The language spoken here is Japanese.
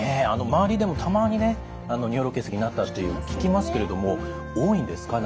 周りでもたまにね尿路結石になったって聞きますけれども多いんですか？